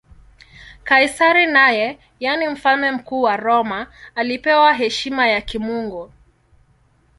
Kaisari naye, yaani Mfalme Mkuu wa Roma, alipewa heshima ya kimungu.